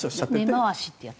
根回しってやつ？